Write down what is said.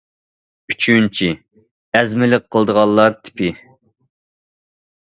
ئۈچىنچى: ئەزمىلىك قىلىدىغانلار تىپى.